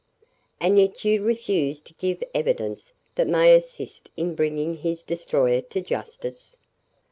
"And yet you refuse to give evidence that may assist in bringing his destroyer to justice."